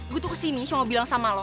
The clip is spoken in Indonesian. gue tuh kesini cuma bilang sama lo